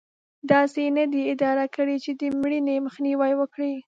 داسې یې نه دي اداره کړې چې د مړینې مخنیوی وکړي.